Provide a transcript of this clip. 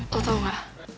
lo tau gak